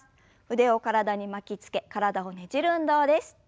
腕を体に巻きつけ体をねじる運動です。